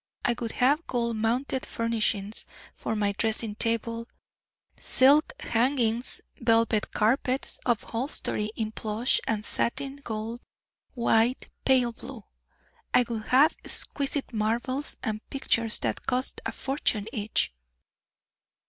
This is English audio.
I would have gold mounted furnishings for my dressing table, silk hangings, velvet carpets, upholstery in plush and satin, gold, white, pale blue. I would have exquisite marbles, and pictures that cost a fortune each."